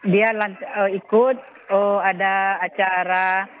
dia ikut ada acara